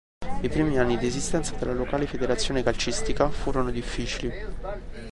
I primi anni di esistenza della locale federazione calcistica furono difficili.